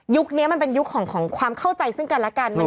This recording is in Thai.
นี้มันเป็นยุคของความเข้าใจซึ่งกันและกัน